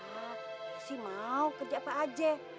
ya mesti mau kerja apa aja